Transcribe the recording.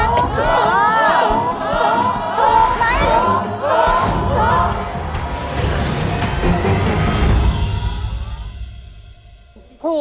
ถูกถูก